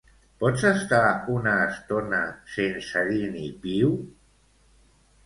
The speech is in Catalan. Pots estar una estona sense dir ni piu?